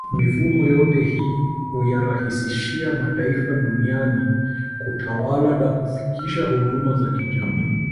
Mifumo yote hii huyarahisishia mataifa duniani kutawala na kufikisha huduma za kijamii